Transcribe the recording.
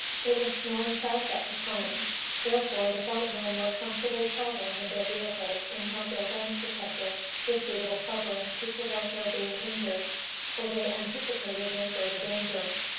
It was snowing fast at the time, therefore, the white men were comfortably traveling in their vehicles and had their guns protected with suitable coverings to prevent their being injured, for they anticipated no further danger.